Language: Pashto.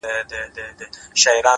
مسافرۍ كي يك تنها پرېږدې ـ